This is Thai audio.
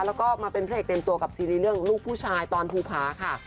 แล้วก็มาเป็นพระเอกเต็มตัวกับซีรีส์เรื่องลูกผู้ชายตอนภูผาค่ะ